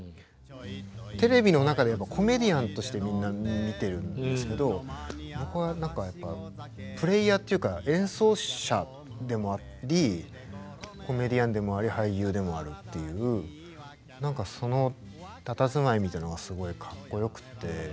テレビの中でコメディアンとしてみんな見てるんですけど僕はやっぱプレーヤーっていうか演奏者でもありコメディアンでもあり俳優でもあるっていう何かそのたたずまいみたいなのがすごいかっこよくって。